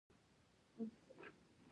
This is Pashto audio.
نن کولای شو فقر له ګڼو نورو لیدلوریو وڅېړو.